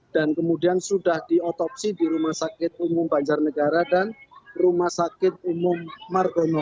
dan kemudian sudah diotopsi di rumah sakit umum banjarnegara dan rumah sakit umum